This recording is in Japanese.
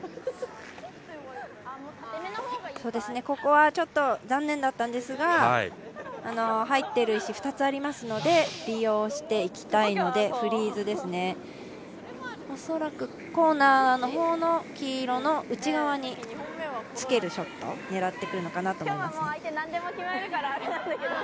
ここはちょっと残念だったんですが、入ってる石、２つありますので利用していきたいのでフリーズですね、恐らくコーナーの方の黄色の内側につけるショットを狙ってくるのかなと思いますね。